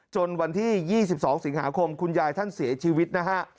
จนวันที่๒๒สิงหาคมคุณยายท่านเสียชีวิตนะฮะ